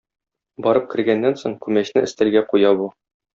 Барып кергәннән соң күмәчне өстәлгә куя бу.